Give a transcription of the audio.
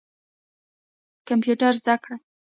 کمپیوټر زده کړئ